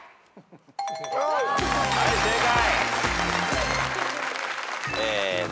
はい正解。